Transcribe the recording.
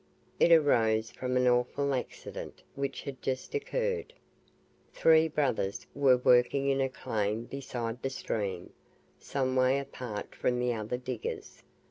It arose from an awful accident which had just occurred. Three brothers were working in a claim beside the stream, some way apart from the other diggers.